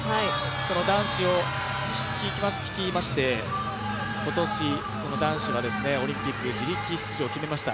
その男子チームを率いまして男子はオリンピック自力出場を決めました。